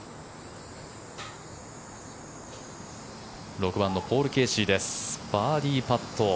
６番のポール・ケーシーですバーディーパット。